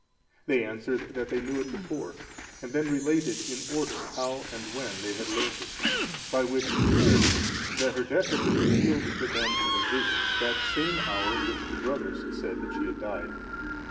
They answered that they knew it before, and then related in order how and when they had learnt it, by which it appeared that her death had been revealed to them in a vision that same hour in which the brothers said that she had died.